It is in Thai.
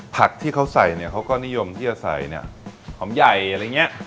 ผักที่เขาใส่เนี่ยเขาก็นิยมที่จะใส่เนี่ยหอมใหญ่อะไรอย่างเงี้ย